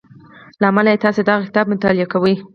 له امله يې تاسې دغه کتاب مطالعه کوئ.